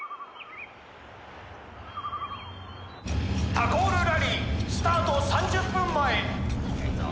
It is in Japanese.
「タコールラリースタート３０ぷんまえ」。